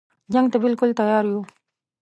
جنګ ته بالکل تیار یو.